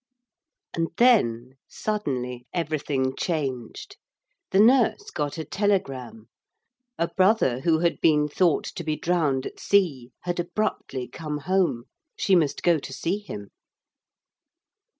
And then suddenly everything changed. The nurse got a telegram. A brother who had been thought to be drowned at sea had abruptly come home. She must go to see him.